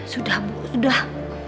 sudah ibu sudah